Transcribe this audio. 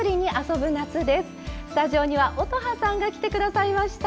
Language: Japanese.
スタジオには乙葉さんが来て下さいました。